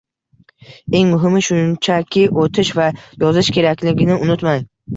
Eng muhimi shunchaki o’tish va yozish kerakligini unutmang